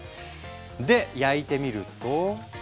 で焼いてみると。